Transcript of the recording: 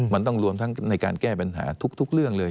มันต้องรวมทั้งในการแก้ปัญหาทุกเรื่องเลย